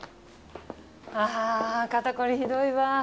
ああ肩凝りひどいわ。